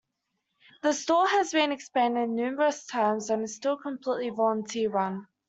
The store has been expanded numerous times, and is still completely volunteer-run.